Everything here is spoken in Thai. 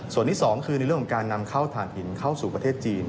ส่วนที่๒คือในเรื่องของการนำเข้าฐานหินเข้าสู่ประเทศจีน